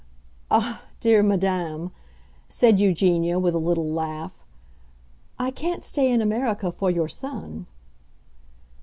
"Ah, dear madam," said Eugenia, with a little laugh, "I can't stay in America for your son!"